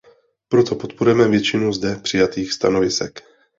Proto podporujeme většinu zde přijatých stanovisek.